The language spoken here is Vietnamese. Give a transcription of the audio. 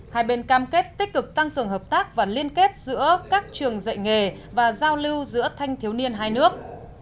hai bên cam kết tích cực tăng cường hợp tác và liên kết giữa các trường dạy nghề và giao lưu giữa thanh thiếu niên hai nước